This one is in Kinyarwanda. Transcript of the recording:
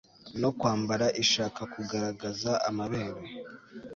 no kwambara ishaka kugaragaza amabere